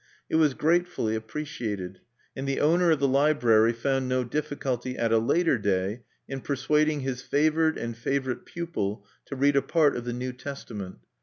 It was gratefully appreciated; and the owner of the library found no difficulty at a later day in persuading his favored and favorite pupil to read a part of the New Testament.